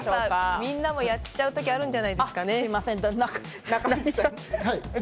みんなもやっちゃうときあるんじゃないですかね。